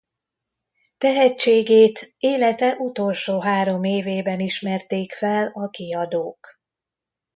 Tehetségét élete utolsó három évében ismerték fel a kiadók.